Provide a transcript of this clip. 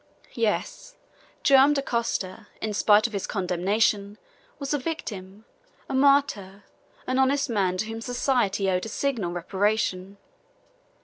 Yes! Joam Dacosta, in spite of his condemnation, was a victim, a martyr, an honest man to whom society owed a signal reparation!